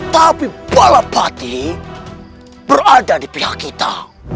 tapi balapati berada di pihak kita